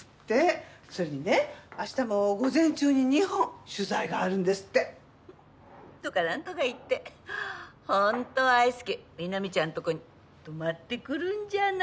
それにね明日も午前中に２本取材があるんですって。とかなんとか言って本当は愛介南ちゃんのとこに泊まってくるんじゃないの？